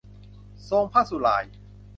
ทรงพระสุหร่าย